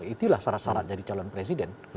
itulah syarat syarat dari calon presiden